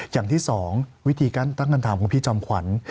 อย่างที่๒วิธีการตั้งคำถามของพี่จอมขวัญ